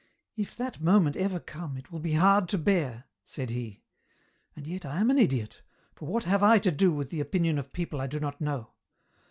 " If that moment ever come it will be hard to bear," said he ;" and yet I am an idiot, for what have I to do with the opinion of people I do not know